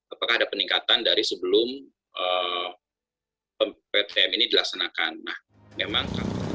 apakah ada peningkatan dari sebelum ptm ini dilaksanakan memang